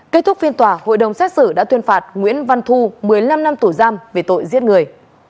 kết thúc phiên tòa hội đồng xét xử đã tuyên phạt nguyễn văn thu một mươi năm năm tù giam về tội giết người